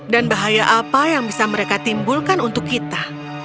dan bahaya apa yang bisa mereka timbulkan untuk kita